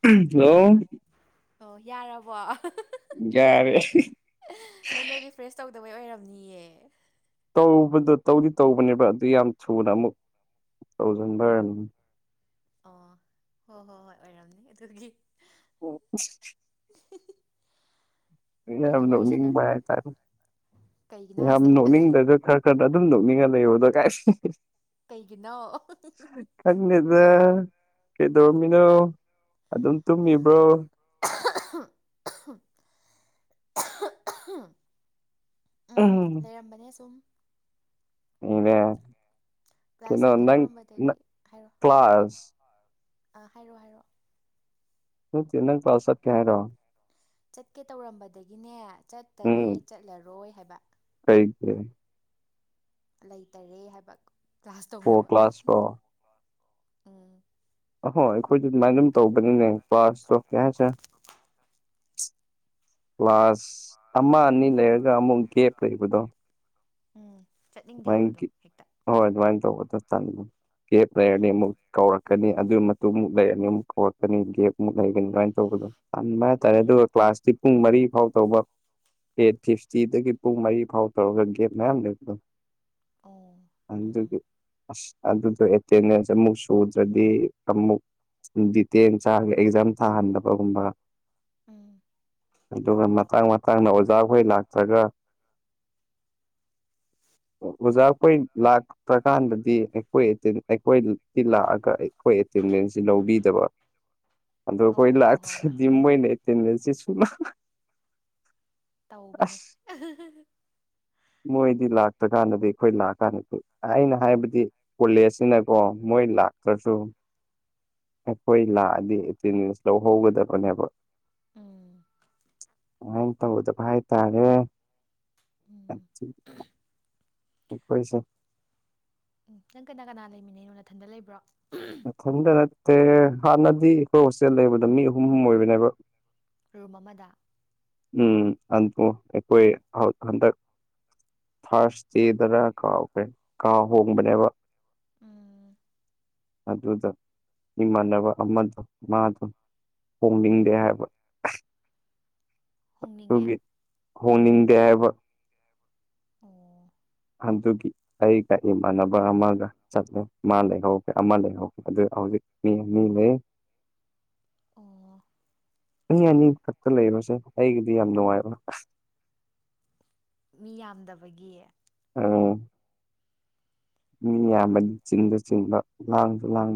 Hello ꯑꯣ ꯌꯥꯔꯕꯣ [unintelligible] ꯌꯥꯔꯦ [unintelligible] ꯅꯪꯅ ꯔꯤꯐ꯭ꯔꯦꯁ ꯇꯧꯗꯕꯩ ꯑꯣꯏꯔꯝꯅꯤꯌꯦ ꯇꯧꯕꯗ ꯇꯧꯗꯤ ꯇꯧꯕꯅꯦꯕ ꯑꯗꯨ ꯌꯥꯝ ꯊꯨꯅ ꯑꯃꯨꯛ ꯎꯝ ꯇꯧꯁꯤꯟꯕꯔꯝꯅꯤ ꯑꯣ ꯍꯣ ꯍꯣ ꯍꯣꯏ ꯑꯣꯏꯔꯝꯅꯤ ꯑꯗꯨꯒꯤ [unintelligible] ꯑꯩꯅ [unintelligible] ꯋꯥꯔꯤ ꯅꯣꯛꯅꯤꯡꯕ ꯁꯥꯟꯅꯔꯒ ꯍꯥꯏꯇꯥꯔꯦ ꯀꯩꯒꯤꯅꯣ ꯌꯥꯝ ꯍꯥꯏꯁꯦ ꯅꯣꯛꯅꯤꯡꯗꯗ ꯈꯔ [unintelligible] ꯑꯗꯨꯝ ꯅꯣꯛꯅꯤꯡꯉ ꯂꯩꯕꯗꯣ ꯀꯥꯏ ꯀꯩꯒꯤꯅꯣ ꯈꯪꯗꯦꯗ ꯀꯩꯗꯧꯔꯝꯃꯤꯅꯣ ꯑꯗꯨꯝ ꯇꯨꯝꯃꯤꯕ꯭ꯔꯣ [unintelligible] ꯎꯝ ꯂꯩꯔꯝꯕꯅꯦ ꯁꯨꯝ ꯅꯦ ꯀ꯭ꯂꯥꯁ ꯀꯩꯅꯣ ꯆꯠꯀꯦ ꯅꯪ ꯇꯧꯔꯝꯕꯗꯒꯤ ꯍꯥꯏꯔꯣ ꯀ꯭ꯂꯥꯁ ꯑꯥ ꯍꯥꯏꯔꯣ ꯍꯥꯏꯔꯛꯑꯣ ꯅꯠꯇꯦ ꯅꯪ ꯀꯂ꯭ꯥꯁ ꯆꯠꯀꯦ ꯍꯥꯢꯔꯣ ꯆꯠꯀꯦ ꯇꯧꯔꯝꯕꯗꯒꯤꯅꯦ ꯆꯠꯇꯔꯦ ꯎꯝ ꯆꯠꯂꯔꯣꯏ ꯍꯥꯏꯕ ꯀꯩꯒꯤ ꯂꯩꯇꯔꯦ ꯍꯥꯏꯕ ꯀ꯭ꯂꯥꯁ ꯇꯧꯅꯕ ꯀ꯭ꯂꯥꯁ ꯔꯣ ꯎꯝ ꯑꯍꯣ ꯑꯩꯈꯣꯏꯗꯤ ꯑꯗꯨꯃꯥꯏꯅ ꯑꯗꯨꯝ ꯇꯧꯕꯅꯤꯅꯦ ꯀ꯭ꯂꯥꯁꯇꯣ ꯀꯩ ꯍꯥꯏꯁꯦ ꯀ꯭ꯂꯥꯁ ꯑꯃ ꯑꯅꯤ ꯂꯩꯔꯒ ꯑꯃꯨꯛ ꯒꯦꯞ ꯂꯩꯕꯗꯣ ꯎꯝ ꯆꯠꯅꯤꯡꯗꯦ ꯍꯥꯏꯕ ꯑꯗꯣ ꯑꯗꯨꯃꯥꯏꯅ ꯍꯦꯛꯇ ꯍꯣꯏ ꯑꯗꯨꯃꯥꯏꯅ ꯇꯧꯕꯗꯣ ꯇꯟꯕ ꯒꯦꯞ ꯂꯩꯔꯗꯤ ꯎꯝ ꯑꯃꯨꯛ ꯀꯧꯔꯛꯀꯅꯤ ꯑꯗꯨ ꯃꯇꯨꯡ ꯑꯃꯨꯛ ꯂꯩꯔꯅꯤ ꯑꯃꯨꯛ ꯀꯧꯔꯛꯀꯅꯤ ꯒꯦꯞꯃꯨꯛ ꯂꯩꯒꯅꯤꯅ ꯇꯧꯕꯗꯣ ꯇꯟꯕ ꯍꯥꯏꯇꯥꯔꯦ ꯎꯝ ꯎꯝ ꯑꯗꯨꯒ ꯀ꯭ꯂꯥꯁꯇꯤ ꯄꯨꯡ ꯃꯔꯤ ꯐꯥꯎ ꯇꯧꯕ ꯑꯦꯠ ꯐꯤꯐꯇꯤꯗꯒꯤ ꯄꯨꯡ ꯃꯔꯤ ꯐꯥꯎ ꯇꯧꯔꯒ ꯒꯦꯐ ꯃꯌꯥꯝ ꯂꯩꯕꯗꯣ ꯑꯣ ꯎꯝ ꯑꯗꯨꯒꯤ ꯑꯁ ꯑꯗꯨꯗꯣ ꯑꯦꯇꯦꯟꯗꯦꯟꯁ ꯑꯃꯨꯛ ꯁꯨꯗ꯭ꯔꯗꯤ ꯑꯃꯨꯛ ꯗꯤꯇꯦꯜ ꯆꯥ ꯑꯦꯛꯖꯥꯝ ꯊꯥꯍꯟꯗꯕꯒꯨꯝꯕ ꯎꯝ ꯑꯗꯨꯒ ꯃꯇꯥꯡ ꯃꯇꯥꯡꯅ ꯑꯣꯖꯥꯈꯣꯏ ꯂꯥꯛꯇ꯭ꯔꯒ ꯑꯣꯖꯥ ꯑꯩꯈꯣꯏ ꯂꯥꯛꯇ꯭ꯔꯀꯥꯟꯗꯗꯤ ꯑꯩꯈꯣꯏ ꯑꯇꯦꯟ ꯑꯩꯈꯣꯏ ꯇꯤ ꯂꯥꯛꯑꯒ ꯑꯩꯈꯣꯏ ꯑꯦꯇꯦꯟꯗꯦꯟꯁꯁꯤ ꯂꯧꯕꯤꯗꯕ ꯑꯗꯨ ꯈꯣꯏ ꯑꯣ ꯍꯣꯏ ꯍꯣꯏ ꯍꯣꯏ ꯂꯥꯛꯇ꯭ꯔꯗꯤ ꯃꯣꯏꯅ ꯑꯦꯇꯦꯟꯗꯦꯟꯁꯤ ꯁꯨꯂꯥꯛ [unintelligible] ꯇꯧꯕꯅꯦ [unintelligible] ꯃꯣꯏꯗꯤ ꯂꯥꯛꯇ꯭ꯔꯀꯥꯟꯗꯗꯤ ꯑꯩꯈꯣꯏ ꯂꯥꯛꯑꯀꯥꯟꯗ ꯑꯩꯅ ꯍꯥꯏꯕꯗꯤ ꯀꯣꯂꯦꯖꯁꯤꯅꯀꯣ ꯃꯣꯏ ꯂꯥꯛꯇ꯭ꯔꯁꯨ ꯑꯩꯈꯣꯏ ꯂꯥꯛꯑꯗꯤ ꯑꯦꯇꯦꯟꯗꯦꯟꯁ ꯂꯧꯍꯧꯒꯗꯕꯅꯦꯕ ꯎꯝ ꯗꯨꯃꯥꯏ ꯇꯧꯗꯕ ꯍꯥꯏ ꯇꯥꯔꯦ ꯎꯝ ꯑꯩꯈꯣꯏꯁꯦ ꯎꯝ ꯅꯪ ꯀꯅꯥ ꯀꯅꯥ ꯂꯩꯃꯤꯟꯅꯩꯅꯣ ꯅꯊꯟꯗ ꯂꯩꯕ꯭ꯔꯣ [unintelligible] ꯃꯊꯟꯇ ꯅꯠꯇꯦ ꯍꯥꯟꯅꯗꯤ ꯑꯩꯈꯣꯏ ꯍꯣꯁꯇꯦꯜ ꯂꯩꯕꯗ ꯃꯤ ꯑꯍꯨꯝ ꯑꯣꯏꯕꯅꯦꯕ ꯔꯨꯝ ꯑꯃꯥꯗ ꯎꯝ ꯑꯗꯨ ꯑꯩꯈꯣꯏ ꯎꯝ ꯍꯥ ꯍꯟꯗꯛ ꯐꯥꯔꯁ ꯗꯦꯗꯅ ꯀꯥꯎꯈ꯭ꯔꯦ ꯀꯥ ꯍꯣꯡꯕꯅꯦꯕ ꯎꯝ ꯑꯗꯨꯗ ꯏꯃꯥꯟꯅꯕ ꯑꯃꯗꯣ ꯃꯥꯗꯣ ꯎꯝ ꯍꯣꯡꯅꯤꯡꯗꯦ ꯎꯝ ꯍꯥꯏꯕ ꯍꯣꯡꯅꯤꯡꯉꯦ ꯑꯗꯨꯒꯤ ꯍꯣꯡꯅꯤꯡꯗꯦ ꯍꯥꯏꯕ ꯑꯣ ꯑꯗꯨꯒꯤ ꯑꯩꯒ ꯏꯃꯥꯟꯅꯕ ꯑꯃꯒ ꯆꯠꯂꯦ ꯃꯥ ꯂꯩꯍꯧꯒꯦ ꯑꯃ ꯂꯩꯍꯧ ꯑꯗꯨ ꯍꯧꯖꯤꯛ ꯃꯤꯅꯤ ꯂꯩ ꯑꯣ꯫ ꯃꯤ ꯑꯅꯤ ꯈꯛꯇ ꯂꯩꯕꯁꯦ ꯑꯩꯒꯤꯗꯤ ꯌꯥꯝ ꯅꯨꯡꯉꯥꯏꯕ ꯃꯤ ꯌꯥꯝꯗꯕꯒꯤ ꯑꯣ꯫ ꯃꯤ ꯌꯥꯝꯕꯗꯤ ꯆꯤꯟꯗ ꯆꯤꯟꯕ ꯂꯥꯡꯁꯨ ꯂꯥꯡ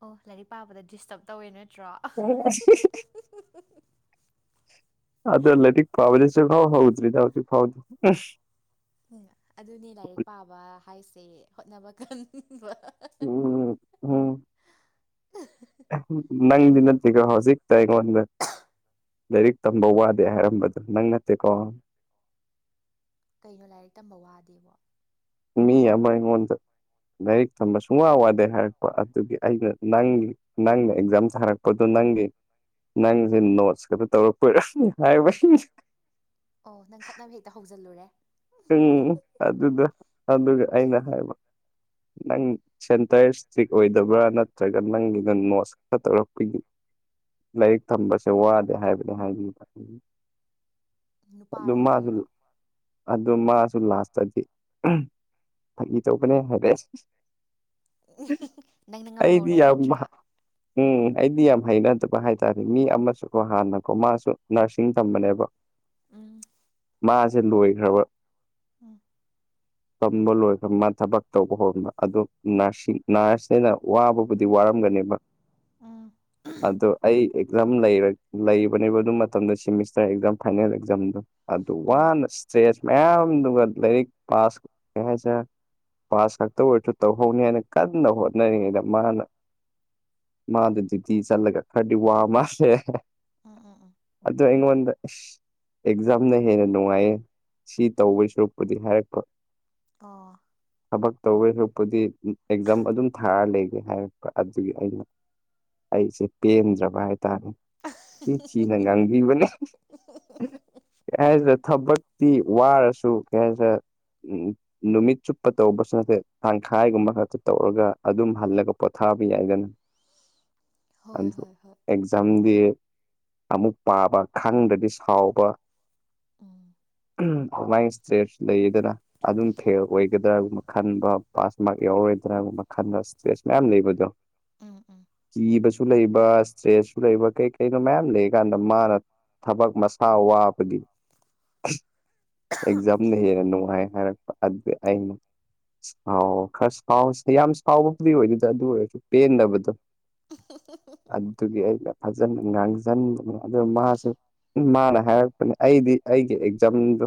ꯑꯣ ꯂꯥꯏꯔꯤꯛ ꯄꯥꯕꯗ ꯗꯤꯁꯇꯕ ꯇꯧꯋꯦ ꯅꯠꯇ꯭ꯔꯣ꯫ [unintelligible] ꯑꯗꯣ ꯂꯥꯏꯔꯤꯛ ꯄꯥꯕꯗꯤ ꯁꯨꯛꯍꯧ ꯍꯥꯎꯗ꯭ꯔꯤꯗ ꯍꯧꯖꯤꯛꯐꯥꯎꯗꯤ ꯎꯝ ꯑꯗꯨꯅꯤ ꯂꯥꯏꯔꯤꯛ ꯄꯥꯕ ꯍꯥꯏꯁꯦ ꯍꯣꯠꯅꯕ ꯀꯟꯕ ꯎꯝ ꯎꯝ ꯅꯪꯗꯤ ꯅꯠꯇꯦꯀꫭ ꯍꯧꯖꯤꯛꯇ ꯏꯉꯣꯟꯗ ꯂꯥꯏꯔꯤꯛ ꯇꯝꯕ ꯋꯥꯗꯦ ꯍꯥꯏꯔꯝꯕꯗꯣ ꯅꯪ ꯅꯠꯇꯦꯀꯣ ꯀꯩꯅꯣ ꯂꯥꯏꯔꯤꯛ ꯇꯝꯕ ꯋꯥꯗꯦꯕꯣ꯫ ꯃꯤ ꯑꯃ ꯑꯩꯉꯣꯟꯗ ꯂꯥꯏꯔꯤꯛ ꯇꯝꯕ ꯁꯨꯡꯋꯥ ꯋꯥꯗꯦ ꯍꯥꯏꯔꯛꯄ ꯑꯗꯨꯒꯤ ꯑꯩꯅ ꯅꯪ ꯅꯪꯅ ꯑꯦꯛꯖꯥꯝ ꯊꯥꯔꯛꯄꯗꯨ ꯅꯪꯒꯤ ꯅꯪꯁꯦ ꯅꯣꯠꯁ ꯈꯛꯇ ꯇꯧꯔꯛꯄꯩꯔꯥ ꯍꯥꯏꯕꯅꯤ ꯑꯣ ꯅꯪ ꯈꯠꯅꯕ ꯍꯦꯛꯇ ꯍꯧꯖꯜꯂꯨꯔꯦ꯫ ꯑꯗꯨꯗ ꯑꯗꯨꯒ ꯑꯩꯅ ꯍꯥꯏꯕ ꯅꯪ ꯁꯦꯟꯇꯔ ꯏꯁꯇ꯭ꯔꯤꯛ ꯑꯣꯏꯗꯕ꯭ꯔꯥ ꯅꯠꯇ꯭ꯔꯒ ꯅꯪꯒꯤꯅ ꯅꯣꯠꯁ ꯈꯔ ꯇꯧꯔꯛꯄꯒꯤ꯫ ꯂꯥꯏꯔꯤꯛ ꯇꯝꯕꯁꯦ ꯋꯥꯗꯦ ꯍꯥꯏꯕꯗꯤ ꯍꯥꯏꯕꯅꯤꯗ ꯅꯨꯄꯥꯔꯣ ꯅꯨꯄꯤꯔꯣ ꯑꯗꯣ ꯃꯥꯁꯨ ꯂꯥꯁꯇꯗꯤ ꯐꯥꯒꯤ ꯇꯧꯕꯅꯦ ꯍꯥꯏꯔꯛꯑꯦ ꯅꯪꯅ ꯑꯩꯗꯤ ꯉꯝꯍꯧꯔꯦ ꯌꯥꯝ ꯅꯠꯇ꯭ꯔꯥ ꯎꯝ ꯑꯩꯗꯤ ꯌꯥꯝ ꯍꯩꯅꯗꯕ ꯍꯥꯏꯇꯥꯔꯦ ꯃꯤ ꯑꯃꯁꯨꯀꯣ ꯍꯥꯟꯅꯀꯣ ꯃꯥꯁꯨ ꯅꯔꯁꯤꯡ ꯇꯝꯕꯅꯦꯕ [inaudible] ꯎꯝ ꯃꯥꯁꯦ ꯂꯣꯏꯈ꯭ꯔꯕ ꯎꯝ꯫ [inaudible] ꯇꯝꯕ ꯂꯣꯏꯈ꯭ꯔꯕ ꯃ ꯊꯕꯛ ꯇꯧꯕ ꯍꯧꯕ ꯑꯗꯣ ꯅꯔꯁꯤꯡ ꯅꯔꯁꯅꯦꯅ ꯋꯥꯕꯕꯨꯗꯤ ꯋꯥꯔꯝꯒꯅꯦꯕ꯫ ꯎꯝ ꯑꯗꯣ ꯑꯩ ꯑꯦꯛꯖꯥꯝ ꯂꯩꯕꯅꯦꯕ ꯑꯗꯨꯝ ꯃꯇꯝꯗ ꯁꯤꯃꯤꯁꯇꯔ ꯑꯦꯛꯖꯥꯝ ꯐꯥꯏꯅꯦꯜ ꯑꯦꯛꯖꯥꯝꯗꯣ ꯑꯗꯨ ꯎꯝ ꯋꯥꯅ ꯏꯁꯇꯦꯖ ꯃꯌꯥꯝꯗꯨ ꯂꯥꯏꯔꯤꯛ ꯄꯥꯁ ꯍꯥꯏꯁꯔ ꯄꯥꯁ ꯈꯛꯇꯑꫭꯏꫪꯁꯨ ꯇꯧꯍꯧꯅꯤ ꯍꯥꯏꯅ ꯀꯟꯅ ꯍꯣꯠꯅꯔꯤꯉꯩꯗ ꯃꯥꯅ ꯃꯥꯗ ꯗꯨꯌꯨꯇꯤ ꯆꯠꯂꯒ ꯈꯔꯗꯤ ꯋꯥ ꯃꯥꯜꯂꯦ ꯎꯝ ꯎꯝ ꯎꯝ ꯑꯗꯣ ꯑꯩꯉꯣꯟꯗ ꯑꯦꯛꯖꯥꯝꯅ ꯍꯦꯟꯅ ꯅꯨꯡꯉꯥꯏꯌꯦ꯫ ꯁꯤ ꯇꯧꯋꯦ ꯁꯔꯨꯛꯄꯨꯗꯤ ꯍꯥꯏꯔꯛꯄ꯫ ꯑꯣ ꯊꯕꯛ ꯇꯧꯋꯦꯁꯔꯨꯛꯄꯨꯗꯤ ꯑꯦꯛꯖꯥꯝ ꯑꯗꯨꯝ ꯊꯥꯔ ꯂꯩꯒꯦ ꯍꯥꯏꯔꯛꯄ ꯑꯗꯨꯒꯤ ꯑꯩꯅ ꯑꯩꯖꯦ ꯄꯦꯟꯗ꯭ꯔꯕ ꯍꯥꯏꯇꯥꯔꯦ꯫ ꯆꯤ ꯊꯤꯅ ꯉꯥꯡꯕꯤꯕꯅ ꯑꯦ ꯊꯕꯛ ꯇꯤ ꯋꯥꯔꯁꯨ ꯀꯩ ꯍꯥꯏꯁꯥꫪ ꯎꯝ ꯅꯨꯃꯤꯠ ꯆꯨꯞꯄ ꯇꯧꯕꯁꯨ ꯅꯠꯇꯦ ꯇꯪꯈꯥꯏꯒꯨꯝꯕ ꯈꯛꯇ ꯇꯧꯔꯒ ꯑꯗꯨꯝ ꯍꯜꯂꯒ ꯄꯣꯊꯥꯕ ꯌꯥꯏꯗꯅ [inaudible] ꯍꯣꯏ ꯑꯗꯨ ꯍꯣꯏ ꯍꯣꯏ ꯑꯦꯛꯖꯥꯝꯗꯤ ꯑꯃꯨꯛ ꯄꯥꯕ ꯈꯪꯗ꯭ꯔꯗꯤ ꯁꯥꯎꯕ ꯎꯝ ꯗꯨꯃꯥꯏ ꯏꯁꯇ꯭ꯔꯦꯁ ꯂꯩꯌꯦꯗꯅ ꯑꯗꯨꯝ ꯐꯦꯜ ꯑꯣꯏꯒꯗ꯭ꯔꯥꯒꯨꯝꯕ ꯈꯟꯕ ꯄꯥꯁ ꯃꯥꯔꯛ ꯌꯥꯎꯔꯔꯣꯏꯗ꯭ꯔꯥꯒꯨꯝꯕ ꯈꯟꯕ ꯏꯁꯇ꯭ꯔꯦꯁ ꯃꯌꯥꯝ ꯂꯩꯕꯗꯣ [inaudible] ꯎꯝ ꯎꯝ ꯀꯤꯕꯁꯨ ꯂꯩꯕ ꯏꯁꯇ꯭ꯔꯦꯁꯁꯨ ꯂꯩꯕ ꯀꯩ ꯀꯩꯅꯣ ꯃꯌꯥꯝ ꯂꯩ ꯀꯥꯟꯗ ꯃꯥꯅ ꯊꯕꯛ ꯃꯁꯥ ꯋꯥꯕꯒꯤ꯫ ꯑꯁ ꯑꯦꯛꯖꯥꯝ ꯂꯩꯔꯅꯅꯨꯡꯉꯥꯏ ꯍꯥꯏꯔꯛꯄ ꯑꯗꯨꯢ ꯑꯩꯅ ꯑꯥꯎ ꯈꯔ ꯁꯥꯎꯁ ꯌꯥꯝ ꯁꯥꯎꯕꯕꯨꯗꯤ ꯑꯣꯏꯗꯨꯗ ꯑꯗꯨ ꯑꯣꯏꯔꯁꯨ ꯄꯦꯟꯗꯕꯗꯣ ꯍ [unintelligible] ꯑꯗꯨꯒꯤ ꯑꯩꯅ ꯐꯖꯅ ꯉꯥꯡꯁꯤꯟꯕꯅꯤ ꯑꯗꯨ ꯃꯥꯁꯨ ꯃꯥꯅ ꯍꯥꯏꯔꯛꯄꯅꯦ ꯑꯩꯗꯤ ꯑꯩꯒꯤ ꯑꯦꯛꯖꯥꯝꯗꯨ꯫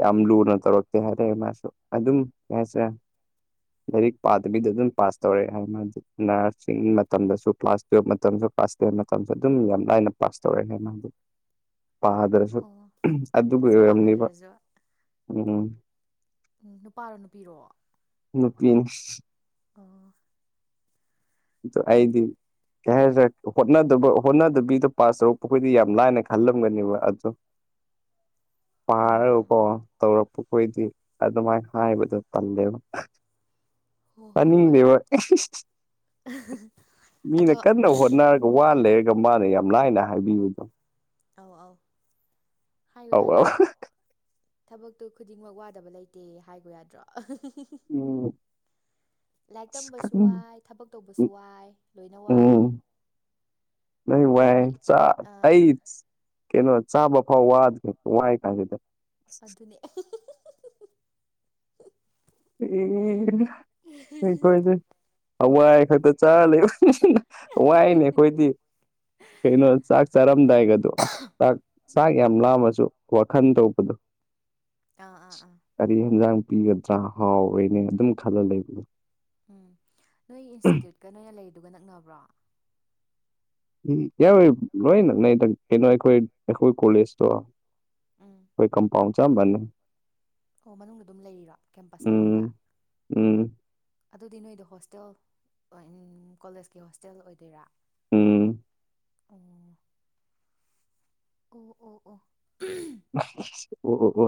ꯌꯥꯝ ꯂꯨꯅ ꯇꯧꯔꯛꯇꯦ ꯍꯥꯏꯔꯦ ꯃꯥꯁꯨ ꯑꯗꯨꯝ ꯑꯦ ꯁꯦ ꯂꯥꯏꯔꯤꯛ ꯄꯥꯗꯕꯤꯗ ꯑꯗꯨꯝ ꯄꯥꯁ ꯇꯧꯔꯛꯑꯦ ꯍꯥꯏ ꯃꯥꯗꯤ ꯅꯔꯁꯤꯡꯒꯤ ꯃꯇꯝꯗꯁꯨ ꯀ꯭ꯂꯥꯁ ꯇꯨꯌꯦꯜꯕ ꯃꯇꯝꯁꯨ ꯀ꯭ꯂꯥꯁ ꯇꯦꯟ ꯃꯇꯝꯁꯨ ꯑꯗꯨꯝ ꯌꯥꯝ ꯂꯥꯏꯅ ꯄꯥꯁ ꯇꯧꯔꯛꯦ ꯍꯦꯅ ꯄꯥꯗ꯭ꯔꯁꯨ ꯑꯣ ꯑꯗꯨꯕꯨ ꯑꯁ ꯑꯣꯏꯔꯝꯅꯦꯕ ꯄꯥꯗ꯭ꯔꯁꯨ ꯎꯝ ꯎꯝ ꯅꯨꯄꯥꯔꯣ ꯅꯨꯄꯤꯔꯣ ꯅꯨꯄꯤ ꯑꯣ꯫ ꯗꯣ ꯑꯩꯗꯤ꯫ ꯀꯩ ꯍꯥꯏꯗꯔꯦ ꯍꯣꯠ ꯍꯣꯠꯅꯗꯕꯤꯗꯣ ꯄꯥꯁ ꯇꯧꯔꯛꯄꯈꯣꯏꯗꯤ ꯌꯥꯝ ꯂꯥꯏꯅ ꯈꯜꯂꯝꯒꯅꯦꯕ ꯑꯗꯣ ꯎꯝ ꯎꯝ ꯄꯥꯔꯀꯣ ꯇꯧꯔꯛꯄ ꯈꯣꯏꯗꯤ ꯑꯗꯨꯃꯥꯏꯅ ꯍꯥꯏꯕꯗꯣ ꯇꯜꯂꯦꯕ꯫ ꯍꯣꯏ ꯍꯣꯏ ꯍꯣꯏ ꯇꯥꯅꯤꯡꯗꯦꯕ ꯃꯤꯅ ꯑꯗꯣ ꯀꯟꯅ ꯍꯣꯠꯅꯔꯒ ꯋꯥ ꯂꯩꯔꯒ ꯃꯥꯅ ꯌꯥꯝ ꯂꯥꯏꯅ ꯍꯥꯏꯕꯤꯕꯗꯣ ꯑꯧ ꯑꯧ ꯍꯥꯏꯌꯨ ꯑꯧ ꯑꯧ ꯌꯥꯗ꯭ꯔꯣ꯫ ꯊꯕꯛꯇꯣ ꯈꯨꯗꯤꯡꯃꯛ ꯋꯥꯗꯕ ꯂꯩꯇꯦ ꯍꯥꯏꯕ ꯌꯥꯗ꯭ꯔꯣ ꯎꯝ ꯂꯥꯏꯔꯤꯛ ꯑꯁ ꯇꯝꯕꯁꯨ ꯈꯪ ꯋꯥꯏ ꯊꯕꯛ ꯇꯧꯕꯁꯨ ꯋꯥꯏ ꯂꯣꯏꯅ ꯋꯥꯏ꯫ ꯅ ꯋꯥꯥꯏ ꯑꯩꯒꯤ ꯆ ꯑꯥ ꯑꯩꯒꯤ ꯀꯩꯅꯣ ꯆꯥꯕ ꯐꯥꯎ ꯋꯥꯗꯦ ꯋꯥꯏ ꯀꯥꯏꯁꯤꯗ ꯑꯗꯨꯅꯦ ꯑꯦ ꯑꯩꯈꯣꯏꯁꯦ ꯍꯋꯥꯏ ꯈꯛꯇ ꯆꯥꯔ ꯂꯩꯕ [unintelligible] ꯋꯥꯏꯅꯦ ꯑꯩꯈꯣꯏꯗꯤ ꯀꯩꯅꯣ ꯆꯥꯛ ꯆꯥꯔꯝꯗꯥꯏꯒꯗꯣ ꯑꯁ ꯆꯥꯛ ꯎꯝ ꯆꯥꯛ ꯌꯥꯝ ꯂꯥꯝꯃꯁꯨ ꯋꯥꯈꯜ ꯇꯧꯕꯗꯣ ꯑꯥ ꯑꯥ ꯑꯥ ꯀꯔꯤ ꯍꯟꯖꯥꯡ ꯄꯤꯒꯗ꯭ꯔꯥ ꯍꯥꯎꯋꯦꯅꯦ ꯑꯗꯨꯝ ꯈꯜꯂ ꯂꯩꯕꯗꯣ꯫ ꯎꯝ ꯅꯣꯏ ꯏꯟꯁꯇꯤꯇ꯭ꯌꯨꯠꯀ ꯅꯣꯏꯅ ꯂꯩꯗꯨꯒ ꯅꯛꯅꯕ꯭ꯔꯣ ꯎ ꯌꯥꯏ ꯂꯣꯏꯅꯪ ꯅ ꯀꯩꯅꯣ ꯑꯩꯈꯣꯏ ꯑꯩꯈꯣꯏ ꯀꯣꯂꯦꯖꯇꯣ ꯎꯝ ꯑꯩ ꯀꯝꯄꯥꯎꯟ ꯆꯞꯃꯥꯟꯅꯩ꯫ ꯑꯣ ꯃꯅꯨꯡꯗ ꯑꯗꯨꯝ ꯂꯩꯔꯤꯔꯣ ꯀꯦꯝꯄꯁ ꯃꯅꯨꯡꯗ꯫ ꯎꯝ ꯎꯝ ꯑꯗꯨꯗꯤ ꯅꯣꯏꯗꯣ ꯍꯣꯁꯇꯦꯜ ꯀꯣꯂꯦꯖꯀꯤ ꯍꯣꯁꯇꯦꯜ ꯑꯣꯏꯗꯣꯏꯔꯥ ꯎꯝ ꯑ ꯑꯣ ꯑꯣ ꯑꯣ [unintelligible] ꯑꯣ ꯍꯣ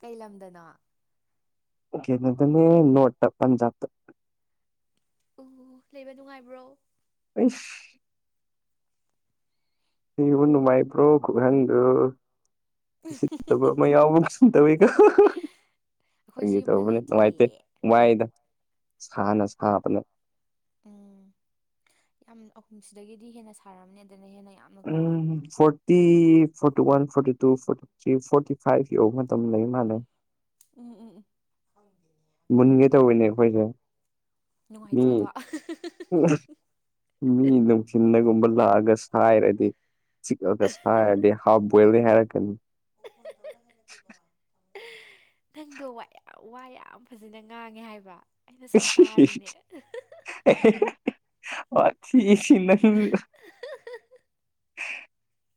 ꯀꯩ ꯂꯝꯗꯅꯣ ꯗꯅꯦ ꯅꯣꯠ ꯄꯟꯖꯥꯕ ꯑꯣ ꯂꯩꯕ ꯅꯨꯡꯉꯥꯏꯕ꯭ꯔꯣ꯫ ꯑꯩꯁꯁ ꯏꯕ ꯅꯨꯡꯉꯥꯏꯕ꯭ꯔꯣ ꯈꯨꯍꯪꯗꯣ ꯁꯤꯠꯇꯕ ꯑꯃ ꯌꯥꯎꯕ ꯁꯤ ꯇꯧꯋꯤꯀ ꯑꯩꯈꯣꯏꯁꯨ ꯀꯒꯤ ꯌꯨꯝꯗ ꯇꯧꯕꯅꯤ ꯅꯨꯡꯉꯥꯏꯇꯦ ꯂꯩꯇꯤꯌꯦ ꯋꯥꯏꯗ ꯁꯥꯅ ꯁꯥꯕꯅꯦ ꯎꯝ ꯌꯥꯝ ꯑꯍꯨꯝꯁꯤꯗꯒꯤꯗꯤ ꯍꯦꯟꯅ ꯁꯥꯔꯝꯅꯤ ꯑꯗꯨꯅ ꯍꯦꯟꯅ ꯌꯥꯝ ꯎꯝ ꯐ ꯤ forty one forty two forty three forty five ꯌꯧꯕ ꯃꯇꯝ ꯂꯩ ꯃꯥꯥꯟꯂꯦ꯫ ꯎꯝ ꯎꯝ ꯎꯝ ꯃꯨꯟꯒꯦ ꯇꯧꯋꯤꯅꯦ ꯑꯩꯈꯣꯏꯁꯦ ꯃꯤ ꯅꯨꯡꯉꯥꯏꯇ꯭ꯔꯣꯗꯣ ꯃꯤ ꯅꯨꯡꯊꯤꯟ ꯗꯥꯒꯨꯝꯕ ꯂꯥꯛꯑꯒ ꯁꯥꯏꯔꯗꯤ ꯆꯤꯂꯒ ꯁꯥꯏꯔꯗꯤ ꯍꯥꯥꯞꯄ ꯕꯣꯏꯜꯅꯤ ꯍꯥꯏꯔꯛꯀꯅꯤ [unintelligible] ꯅꯪꯗꯣ ꯋꯥ ꯌꯥꯝ ꯋꯥ ꯌꯥꯝ ꯐꯖꯅ ꯉꯥꯡꯉꯦ ꯍꯥꯏꯕ ꯑꯩꯅ ꯁꯨꯝ ꯇꯥꯔꯤꯅꯦ [unintelligible] ꯁꯤꯁꯤ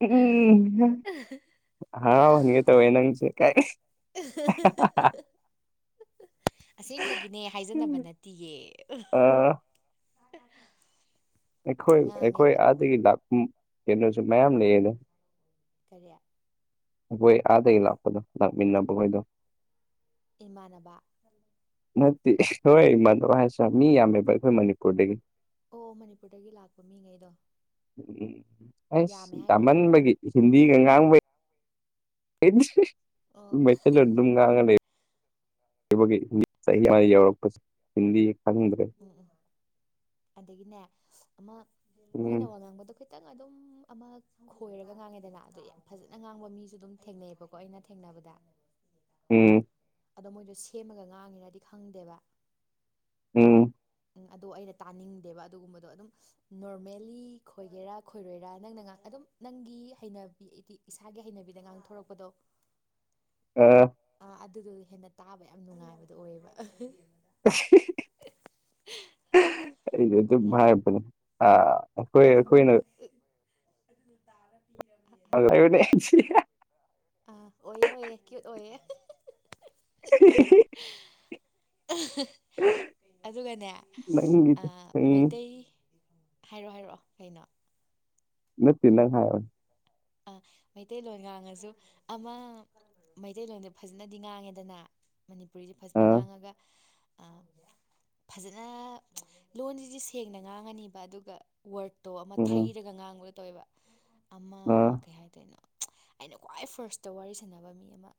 ꯎꯝ ꯍꯔꯥꯎꯍꯟꯒꯦ ꯇꯧꯋꯦ ꯅꯪꯁꯦ ꯀꯥꯏꯗꯩ [unintelligible] ꯑꯁꯦꯡꯕꯒꯤꯅꯦ ꯍꯥꯏꯖꯟꯅꯕ ꯅꯠꯇꯤꯌꯦ ꯑꯥ [inaudible] ꯑꯩꯈꯣꯏ ꯑꯩꯈꯣꯏ ꯉꯥꯡꯉꯦꯕ ꯑꯥꯗꯒꯤ ꯂꯥꯛꯄ ꯀꯩꯅꯣꯁꯨ ꯃꯌꯥꯝ ꯂꯩꯑꯦꯗ ꯀꯔꯤ ꯑꯩꯈꯣꯏ ꯑꯥꯗꯒꯤ ꯂꯥꯛꯄꯗꯣ ꯂꯥꯛꯃꯤꯟꯅꯕꯈꯣꯏꯗꯣ ꯏꯃꯥꯟꯅꯕ ꯅꯠꯇꯦ ꯍꯣꯏ ꯏꯃꯟꯅꯕ ꯍꯥꯏꯁꯨ ꯃꯤ ꯌꯥꯝꯃꯦꯕ ꯑꯩꯈꯣꯏ ꯃꯅꯤꯄꯨꯔꯗꯒꯤ ꯑꯣ ꯃꯅꯤꯄꯨꯔꯗꯒꯤ ꯂꯥꯛꯄ ꯃꯤꯉꯩꯗꯣ ꯎꯝ ꯌꯥꯝꯃꯦ ꯑꯩꯁ ꯍꯥꯏꯔꯕ ꯌꯥꯝꯃꯟꯕꯒꯤ ꯍꯤꯟꯗꯤꯒ ꯉꯥꯡꯕꯩ ꯑꯣ ꯃꯩꯇꯩ ꯂꯣꯟ ꯑꯗꯨꯝ ꯉꯥꯡꯉꯥ ꯂꯩ [unintelligible] ꯆꯍꯤ ꯑꯃ ꯌꯧꯔꯛꯄꯁꯤ ꯍꯤꯟꯗꯤ ꯈꯪꯗ꯭ꯔꯦ ꯎꯝ ꯎꯝ ꯑꯗꯒꯤꯅꯦ ꯑꯃ ꯎꯝ ꯅꯣꯏꯅ ꯋꯥ ꯉꯥꯡꯕꯗꯣ ꯅꯪ ꯑꯗꯨꯝ ꯑꯃ ꯈꯣꯏꯔꯒ ꯉꯥꯡꯉꯦꯗꯅ ꯑꯗꯣ ꯌꯥꯝ ꯐꯖꯅ ꯉꯥꯡꯕ ꯃꯤꯁꯨ ꯑꯗꯨꯝ ꯊꯦꯡꯅꯩꯕꯀꯣ ꯑꯩꯅ ꯊꯦꯡꯅꯕꯗ ꯎꯝ ꯑꯗꯣ ꯃꯣꯏꯗꯣ ꯁꯦꯝꯃꯒ ꯉꯥꯡꯉꯤꯔꯥꯗꯤ ꯈꯪꯗꯦꯕ ꯑꯝ ꯎꯝ ꯑꯗꯣ ꯑꯩꯅ ꯇꯥꯅꯤꯡꯗꯦꯕ ꯑꯗꯨꯒꯨꯝꯕꯗꯣ ꯑꯗꯨꯝ ꯅꯣꯔꯃꯦꯜꯂꯤ ꯈꯣꯏꯒꯦꯔꯥ ꯈꯣꯏꯔꯣꯏꯔꯥ ꯅꯪꯅ ꯑꯗꯨꯝ ꯅꯪꯒꯤ ꯍꯩꯅꯕꯤꯗꯤ ꯏꯁꯥꯒꯤ ꯍꯩꯅꯕꯤꯗ ꯉꯥꯡꯊꯣꯔꯛꯄꯗꯣ ꯑꯥ ꯑꯥ ꯑꯗꯨꯗꯣ ꯍꯦꯟꯅ ꯇꯥꯕ ꯌꯥꯝ ꯅꯨꯡꯉꯥꯏꯕꯗꯣ ꯑꯣꯏꯌꯦꯕ ꯑꯩꯗꯤ ꯑꯗꯨꯝ ꯍꯥꯏꯗꯤ ꯍꯥꯏꯕꯅꯦ ꯑꯥ ꯑꯥ ꯃꯤ [inaudible] ꯍꯥꯏꯔꯣ ꯍꯥꯏꯔꯣ [unintelligible] ꯑꯥ ꯑꯣꯏꯌꯦ ꯑꯣꯏꯌꯦ ꯀ꯭ꯌꯨꯠ ꯑꯣꯏꯌꯦ [inaudible] [unintelligible] ꯑꯗꯨꯒꯅꯦ ꯅꯪꯒꯤꯗꯣ ꯑꯥ ꯎꯝ ꯃꯩꯇꯩ ꯍꯥꯏꯔꯑꯣ ꯍꯥꯏꯔꯑꯣ ꯀꯩꯅꯣ ꯅꯠꯇꯦ ꯅꯪ ꯍꯥꯏꯔꯣ ꯑꯥ ꯃꯩꯇꯩꯂꯣꯟ ꯉꯥꯡꯉꯥꯖꯨ ꯑꯃ ꯃꯩꯇꯩꯂꯣꯟꯗ ꯐꯖꯅꯗꯤ ꯉꯥꯡꯉꯦꯗꯅ ꯃꯅꯤꯄꯨꯔꯤꯖꯦ ꯑ ꯐꯖꯅ ꯉꯥꯡꯉꯒ ꯑꯥ ꯐꯖꯅ ꯂꯣꯟꯖꯤꯗꯤ ꯁꯦꯡꯅ ꯉꯥꯡꯉꯅꯤꯕ ꯑꯗꯨꯒ ꯋꯥꯔꯠꯇꯣ ꯑꯃ ꯎꯝ ꯊꯩꯔꯒ ꯉꯥꯡꯕꯒ ꯇꯧꯋꯦꯕ ꯑꯃ ꯑꯩꯁꯨ ꯍꯥꯏꯗꯅꯣ ꯑꯩꯅ ꯈ꯭ꯋꯥꯏ ꯐꯥꯔꯁꯇ ꯋꯥꯔꯤ ꯁꯅꯕ ꯃꯤ ꯑꯃ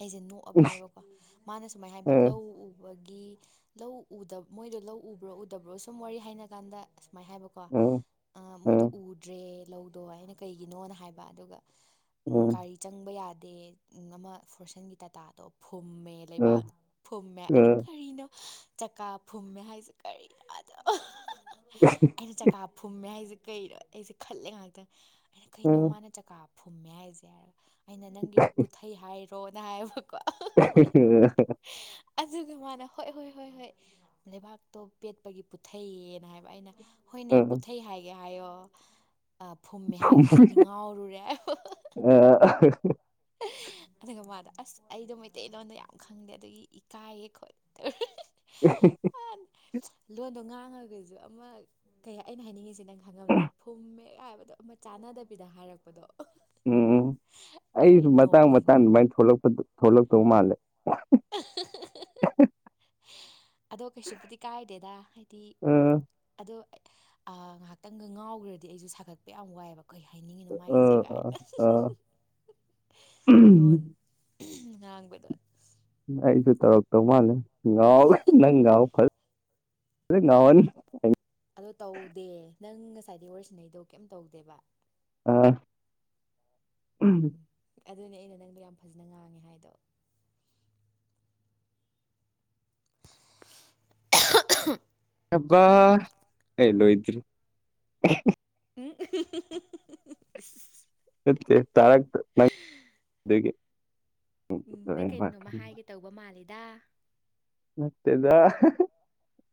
ꯑꯩꯖꯦ ꯅꯣꯛ ꯑꯕꯅꯦꯕꯀꯣ ꯃꯥꯅ ꯁꯨꯃꯥꯏ ꯍꯥꯏꯕ ꯂꯧ ꯎ ꯕꯒꯤ ꯂꯧ ꯎꯗꯕ ꯃꯣꯏꯗꯣ ꯂꯧ ꯎꯕ꯭ꯔꯣ ꯎꯗꯕ꯭ꯔꯣ ꯁꯨꯝ ꯋꯥꯔꯤ ꯍꯥꯏꯅ ꯀꯥꯟꯗ ꯑꯁꯨꯃꯥꯏ ꯍꯥꯏꯕꯀꯣ ꯃꯣꯏꯗꯣ ꯎꯗ꯭ꯔꯦ ꯂꯧꯗꯣ ꯍꯥꯏꯅ ꯀꯩꯒꯤꯅꯣꯅ ꯍꯥꯏꯕ ꯑꯗꯨꯒ ꯎꯨꯡ ꯒꯥꯔꯤ ꯆꯪꯕ ꯌꯥꯗꯦ ꯑꯃ ꯐꯣꯔꯁꯟꯒꯤ ꯇꯇꯥꯗꯣ ꯐꯨꯝꯃꯦ ꯂꯩꯕꯥꯛ ꯐꯨꯝꯃꯦ ꯑꯩꯅ ꯀꯔꯤꯅꯣ꯫ ꯆꯀꯥ ꯐꯨꯝꯃꯦ ꯍꯥꯏꯁꯦ ꯀꯔꯤꯅꯗꯣ ꯑꯩꯅ ꯆꯀꯥ ꯐꯨꯝꯃꯦ ꯍꯥꯏꯁꯦ ꯀꯩꯅꯣ ꯑꯩꯁꯦ ꯈꯜꯂꯦ ꯉꯥꯛꯇꯪ ꯑꯩꯅ ꯀꯩꯅꯣ ꯃꯥꯅ ꯆꯀꯥ ꯐꯨꯝꯃꯦ ꯍꯥꯏꯁꯦ ꯑꯩꯅ ꯅꯪꯒꯤꯗꯣ ꯄꯨꯊꯩ ꯍꯥꯏꯔꯣꯅ ꯍꯥꯏꯕꯀꯣ [inaudible] ꯑꯗꯨ ꯃꯥꯅ ꯍꯣꯏ ꯍꯣꯏ ꯍꯣꯏ ꯍꯣꯏ ꯂꯩꯕꯥꯛꯇꯣ ꯄꯦꯠꯄꯒꯤ ꯄꯨꯊꯩꯑꯌꯦꯅ ꯍꯥꯏꯕ ꯑꯩꯅ ꯍꯣꯏꯅꯦ ꯄꯨꯊꯩ ꯍꯥꯏꯒꯦ ꯍꯥꯏꯌꯣ ꯐꯨꯝꯃꯦ ꯍꯥꯏꯗꯨꯗꯤ ꯑꯩꯗꯤ ꯉꯥꯎꯔꯨꯔꯦ ꯍꯥꯏ ꯑ ꯑꯗꯨꯒ ꯃꯥꯗꯣ ꯑꯁ ꯑꯩꯗꯣ ꯃꯩꯇꯩꯂꯣꯟꯗ ꯌꯥꯝ ꯈꯪꯗꯦ ꯑꯗꯨꯒꯤ ꯏꯀꯥꯏꯌꯦ ꯈꯣꯠꯂꯦ [unintelligible] ꯎ [unintelligible] ꯂꯣꯟꯗꯣ ꯉꯥꯡꯉꯒꯁꯨ ꯑꯃ ꯀꯩ ꯑꯩꯅ ꯍꯥꯏꯅꯤꯡꯉꯤꯁꯦ ꯅꯪ ꯈꯪꯉꯝꯅꯦ ꯐꯨꯝꯃꯦꯒ ꯍꯥꯏꯕꯗꯣ ꯑꯃ ꯆꯥꯟꯅꯗꯕꯤꯗ ꯍꯥꯏꯔꯛꯄꯗꯣ꯫ ꯎꯝ ꯑꯩꯁꯨ ꯃꯇꯥꯡ ꯅꯣꯛꯄꯁꯤ ꯃꯇꯥꯡ ꯅꯣꯛ ꯑꯗꯨꯃꯥꯏ ꯊꯣꯛꯂꯛꯄ ꯊꯣꯛꯂꯛꯇꯧ ꯃꯥꯜꯂꯦ ꯑ [inaudible] ꯑꯗꯣ ꯀꯩꯁꯨꯕꯨꯗꯤ ꯀꯥꯏꯗꯦꯗ ꯍꯥꯏꯗꯤ ꯑ ꯑꯗꯣ ꯑ ꯉꯥꯏꯍꯥꯛꯇꯪꯒ ꯉꯥꯎꯈ꯭ꯔꯗꯤ ꯑꯩꯁꯨ ꯁꯥꯒꯠꯄ ꯌꯥꯝ ꯋꯥꯏꯑꯦꯕ ꯀꯩ ꯍꯥꯏꯅꯤꯡꯉꯤꯅꯣ ꯑ ꯃꯥꯏꯖꯦ ꯑ ꯀꯥꯏꯅ ꯑ ꯂꯣꯟ ꯉꯥꯡꯕꯗ ꯑꯩꯁꯨ ꯇꯧꯔꯛꯇꯧ ꯃꯥꯜꯂꯦ ꯉꯥꯎ ꯅꯪ ꯉꯥꯎ ꯐ ꯐ ꯉꯥꯎꯍꯅꯤ ꯑꯗꯣ ꯇꯧꯗꯦ ꯅꯪ ꯉꯁꯥꯏꯗꯩ ꯋꯥꯔꯤ ꯁꯅꯩꯗꯣ ꯀꯩꯝ ꯇꯧꯗꯦꯕ꯫ ꯑ ꯑꯗꯨꯅꯦ ꯑꯩꯅ ꯅꯪꯗꯣ ꯌꯥꯝ ꯐꯖꯅ ꯉꯥꯡꯉꯦ ꯍꯥꯏꯗꯣ꯫ [unintelligible] ꯍꯕ ꯑꯩꯂꯣꯏꯗ꯭ꯔꯤ [unintelligible] ꯎꯝ [unintelligible] ꯅꯪ ꯇꯦꯛꯊꯔꯛꯇ꯭ꯔꯦ ꯅꯪ ꯇꯦꯒꯤ꯫ ꯎꯝ ꯅꯪ ꯀꯩꯅꯣꯝꯃ ꯍꯥꯏꯒꯦ ꯇꯧꯕ ꯃꯥꯜꯂꯦꯗ ꯅꯠꯇꯦꯗ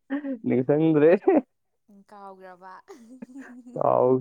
[unintelligible] ꯅꯤꯡꯁꯤꯡꯗ꯭ꯔꯦ꯫ ꯀꯥꯎꯒ꯭ꯔꯕ ꯎꯝ [unintelligible] ꯀꯥꯎ